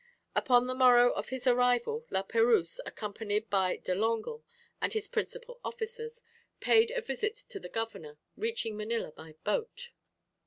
Upon the morrow of his arrival La Perouse, accompanied by De Langle and his principal officers, paid a visit to the governor, reaching Manila by boat.